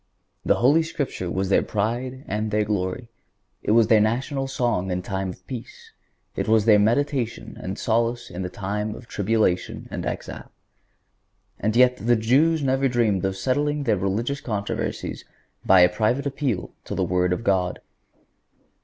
The Holy Scripture was their pride and their glory. It was their national song in time of peace; it was their meditation and solace in time of tribulation and exile. And yet the Jews never dreamed of settling their religious controversies by a private appeal to the Word of God.